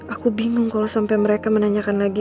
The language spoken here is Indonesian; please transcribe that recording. aku bingung kalau sampai mereka menanyakan lagi